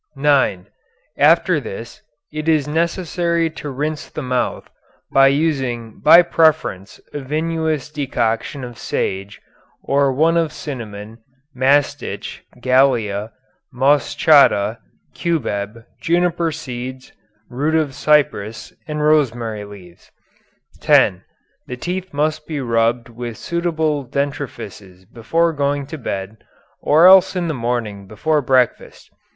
(9) After this it is necessary to rinse the mouth by using by preference a vinous decoction of sage, or one of cinnamon, mastich, gallia, moschata, cubeb, juniper seeds, root of cyperus, and rosemary leaves. (10) The teeth must be rubbed with suitable dentrifices before going to bed, or else in the morning before breakfast.